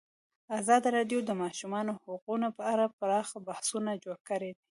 ازادي راډیو د د ماشومانو حقونه په اړه پراخ بحثونه جوړ کړي.